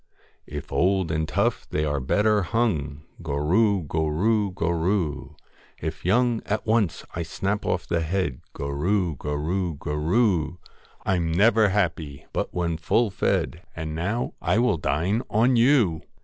If old and tough, they are better hung, Gorroo! gorroo! gorroo! If young, at once I snap off the head, Gorroo ! gorroo ! gorroo ! I 'm never happy but when full fed, And now I will dine on you